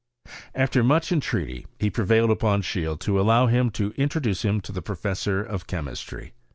After much entreaty, he prevailed upon Seheele to allow him to introduce him to the professor of chemistry.